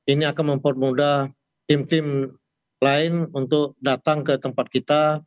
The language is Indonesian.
ini akan mempermudah tim tim lain untuk datang ke tempat kita